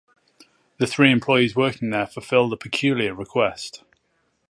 The three employees working there fulfill the peculiar request.